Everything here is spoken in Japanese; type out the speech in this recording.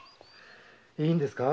いいんですか？